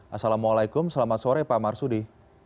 assalamualaikum selamat sore pak marsudi